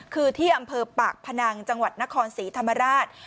คือที่อำเภอปากพนังจังหวัดนครศรีธรรมราช